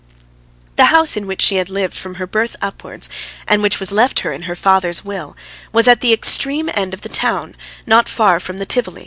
The house in which she had lived from her birth upwards, and which was left her in her father's will, was at the extreme end of the town, not far from the Tivoli.